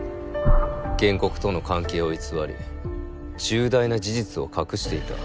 原告との関係を偽り重大な事実を隠していた。